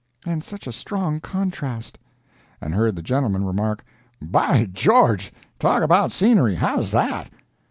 —and such a strong contrast!" and heard the gentlemen remark: "By George! talk about scenery! how's that?"